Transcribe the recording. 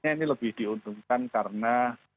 ini lebih diuntungkan karena